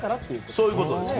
そういうことです。